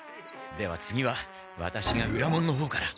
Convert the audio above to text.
では次はワタシが裏門の方から。